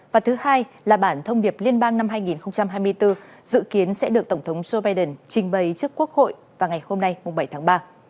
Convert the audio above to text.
và thứ hai là bản thông điệp liên bang năm hai nghìn hai mươi bốn dự kiến sẽ được tổng thống joe biden trình bày trước quốc hội vào ngày hôm nay bảy tháng ba